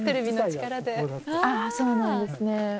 あそうなんですね。